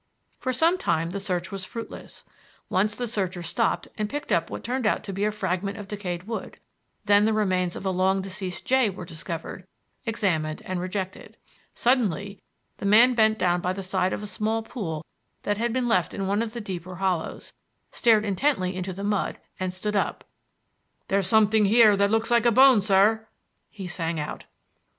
For some time the search was fruitless. Once the searcher stooped and picked up what turned out to be a fragment of decayed wood; then the remains of a long deceased jay were discovered, examined, and rejected. Suddenly the man bent down by the side of a small pool that had been left in one of the deeper hollows, stared intently into the mud, and stood up. "There's something here that looks like a bone, sir," he sang out.